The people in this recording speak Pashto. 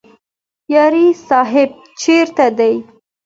یاري صاحب چیرې دی؟